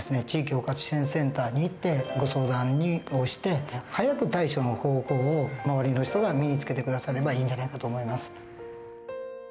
地域包括支援センターに行ってご相談をして早く対処の方法を周りの人が身につけて下さればいいんじゃないかと思います。